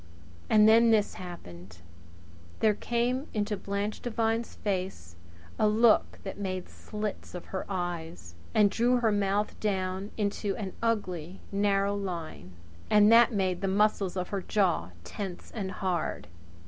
And then this happened! There came into Blanche Devine's face a look that made slits of her eyes, and drew her mouth down into an ugly, narrow line, and that made the muscles of her jaw tense and hard.